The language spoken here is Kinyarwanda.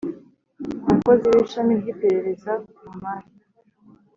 umukozi w Ishami ry Iperereza ku Mari